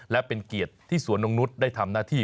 และเป็นเกียรติที่สวนนกนุษย์ได้ทำหน้าที่